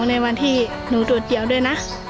ในวันที่หนูตรวจเจียวด้วยนะ